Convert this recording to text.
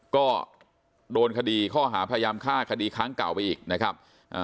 ก็โดนคดีข้อหาพยายามฆ่าคดีครั้งเก่าไปอีกนะครับ